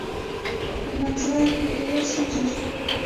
د منځلارۍ پریښودل ستونزې جوړوي.